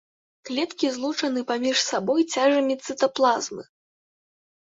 Клеткі злучаны паміж сабой цяжамі цытаплазмы.